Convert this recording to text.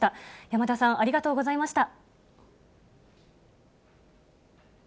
山田さん、ありがとうございました。